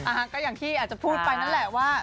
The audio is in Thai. อ่าก็อย่างที่จะพูดไปนั้นแหละว่า